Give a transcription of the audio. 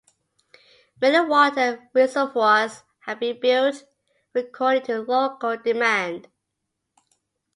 Many water reservoirs have been built according to local demand.